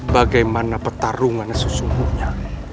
bagaimana pertarungan sesungguhnya